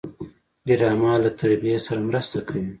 ډرامه له تربیې سره مرسته کوي